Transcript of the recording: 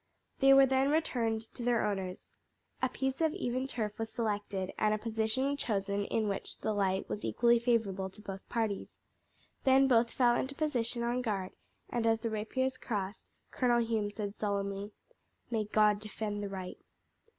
They were then returned to their owners. A piece of even turf was selected, and a position chosen in which the light was equally favourable to both parties. Then both fell into position on guard, and as the rapiers crossed Colonel Hume said solemnly: "May God defend the right!"